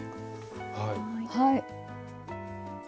はい。